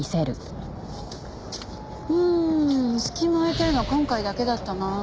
うーん隙間空いてるのは今回だけだったな。